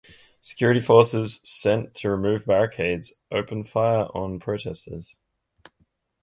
Security forces sent to remove barricades opened fire on protesters.